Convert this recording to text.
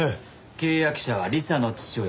契約者は理沙の父親